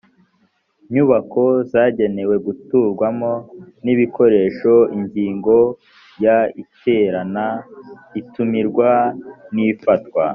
nyubako zagenewe guturwamo n ibikoresho ingingo ya iterana itumirwa n ifatwa